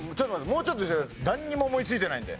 もうちょっとなんにも思いついてないんで。